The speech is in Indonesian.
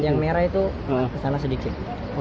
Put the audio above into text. yang merah itu kesana sedikit